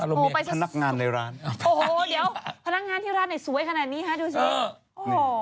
โอ้โฮเดี๋ยวพนักงานที่ร้านไหนสวยขนาดนี้ดูสิ